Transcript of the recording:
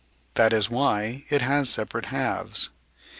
That is why it has separate halves.